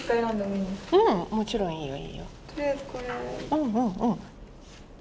うんうんうん。